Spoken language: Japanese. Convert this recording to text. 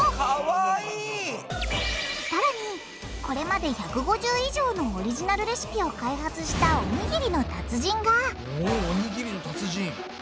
さらにこれまで１５０以上のオリジナルレシピを開発したおにぎりの達人がおおにぎりの達人！